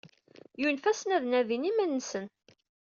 Yunfa-sen ad nadin iman-nsen.